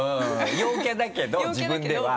陽キャだけど自分では。